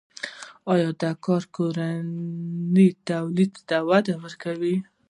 آیا دا کار کورني تولید ته وده ورکوي؟